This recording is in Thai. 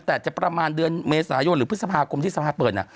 แต่จะประมาณเดือนเมษายนหรือพฤษภาคมที่สภาเปิดเนี่ย